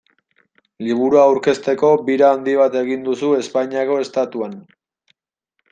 Liburua aurkezteko bira handi bat egin duzu Espainiako Estatuan.